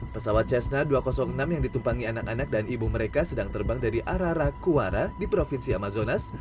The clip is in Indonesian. pesawat cessna dua ratus enam yang ditumpangi anak anak dan ibu mereka sedang terbang dari arara kuara di provinsi amazonas